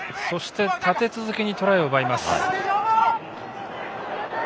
そして、立て続けにトライを奪います。